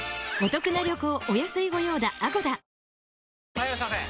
・はいいらっしゃいませ！